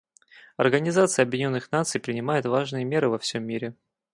Организация Объединенных Наций принимает важные меры во всем мире.